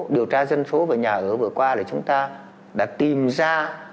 điều tra dân số và nhà ở vừa qua là chúng ta đã tìm ra